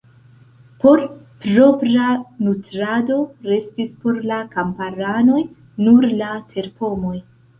Por propra nutrado restis por la kamparanoj nur la terpomoj.